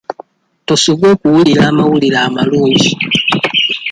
Tosubwa okuwulira amawulire amalungi.